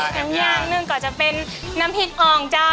แห่มยางนึงก็จะเป็นน้ำพริกอ่องเจ้า